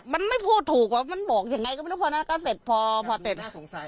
มันไม่พูดถูกว่ามันบอกอย่างไรก็ไม่รู้พอนั้นก็เสร็จพอเสร็จ